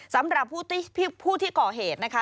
สำหรับผู้ที่ก่อเหตุนะคะ